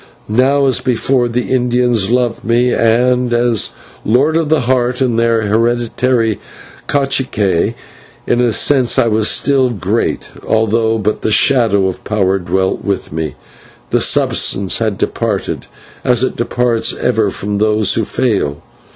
Now as before the Indians loved me, and, as Lord of the heart and their hereditary /cacique/, in a sense I still was great, although but the shadow of power dwelt with me: the substance had departed, as it departs ever from those who fail.